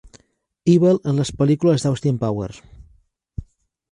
Evil en les pel·lícules d'Austin Powers.